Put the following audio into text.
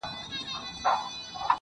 o حقيقت ورو ورو ښکاره کيږي تل,